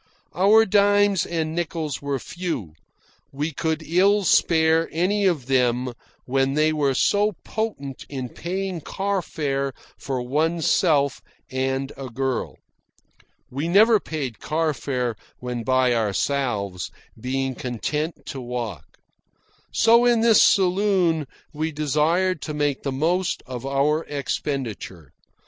Our dimes and nickels were few. We could ill spare any of them when they were so potent in paying car fare for oneself and a girl. (We never paid car fare when by ourselves, being content to walk.) So, in this saloon, we desired to make the most of our expenditure.